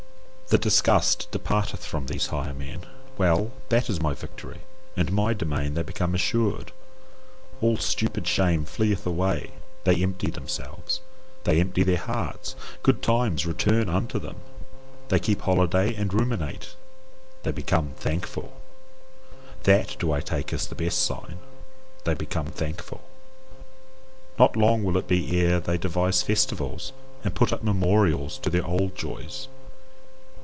The DISGUST departeth from these higher men; well! that is my victory. In my domain they become assured; all stupid shame fleeth away; they empty themselves. They empty their hearts, good times return unto them, they keep holiday and ruminate, they become THANKFUL. THAT do I take as the best sign: they become thankful. Not long will it be ere they devise festivals, and put up memorials to their old joys.